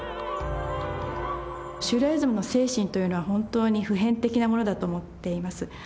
シュルレアリスムの精神というのは本当に普遍的なものだと思っています。